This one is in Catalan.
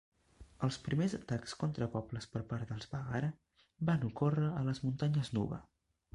Els primers atacs contra pobles per part dels Baggara van ocórrer a les muntanyes Nuba.